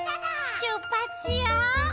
「しゅっぱつしよう！」